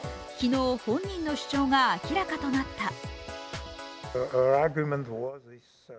昨日、本人の主張が明らかとなった。